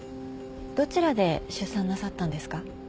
どちらで出産なさったんですか？